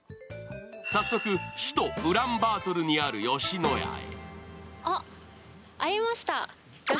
早速、首都・ウランバートルにある吉野家へ。